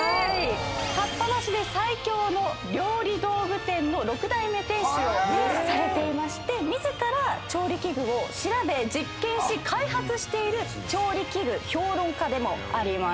合羽橋で最強の料理道具店の６代目店主をされていまして自ら調理器具を調べ実験し開発している調理器具評論家でもあります。